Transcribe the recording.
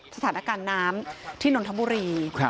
สถานการณ์น้ำที่นนทบุรี